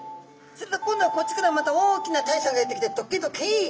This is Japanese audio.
すると今度はこっちからまた大きなタイさんがやって来て「どけどけい！